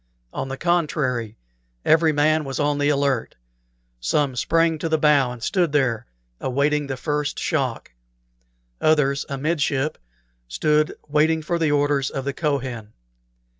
On the contrary, every man was on the alert; some sprang to the bow and stood there, awaiting the first shock; others, amidship, stood waiting for the orders of the Kohen.